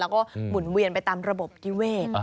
แล้วก็หมุนเวียนไปตามระบบนิเวศ